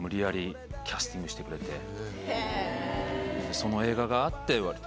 その映画があって割と。